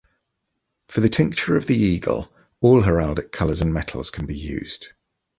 For the tincture of the eagle all heraldic colors and metals can be used.